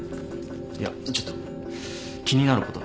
いやちょっと気になることが。